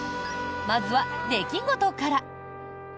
まずは、出来事から。